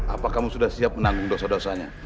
apa kamu sudah siap menanggung dosa dosanya